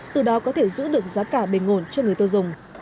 từ đó có thể giữ được giá cả bình ổn cho người tiêu dùng